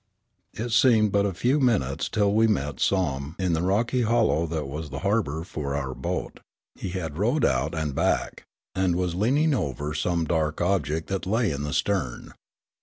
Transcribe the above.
It seemed but a few minutes till we met Somm in the rocky hollow that was the harbour for our boat ; he had rowed out and back, and was leaning over some 2 Riallaro dark object that lay in the stern.